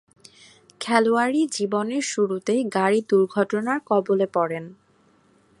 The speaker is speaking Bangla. খেলোয়াড়ী জীবনের শুরুতে গাড়ী দূর্ঘটনার কবলে পড়েন।